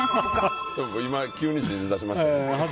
今、急に信じだしましたね。